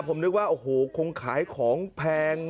ผมนึกว่าโอ้โหคงขายของแพง